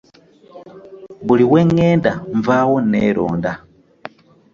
Buli we ŋŋenda nvaawo nneeronda.